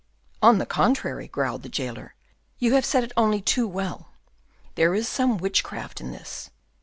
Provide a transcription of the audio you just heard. "On the contrary," growled the jailer, "you have set it only too well. There is some witchcraft in this.